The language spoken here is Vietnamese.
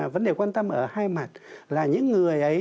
vấn đề quan tâm ở hai mặt là những người ấy